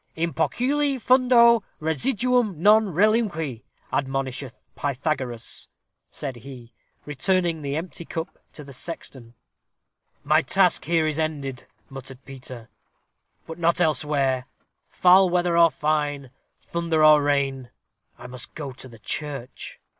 "In poculi fundo residuum non relinque, admonisheth Pythagoras," said he, returning the empty cup to the sexton. "My task here is ended," muttered Peter, "but not elsewhere. Foul weather or fine, thunder or rain, I must to the church."